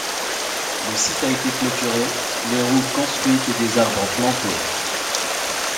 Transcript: Le site a été clôturé, les routes construites et des arbres plantés.